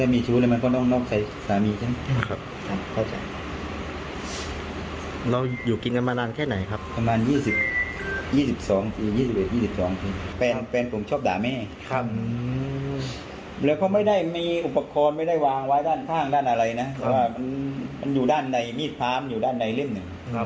มันอยู่ด้านในมีดพาร์มอยู่ด้านในเล่มหนึ่ง